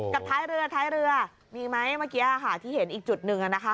กับท้ายเรือมีไหมเมื่อกี้ที่เห็นอีกจุดหนึ่ง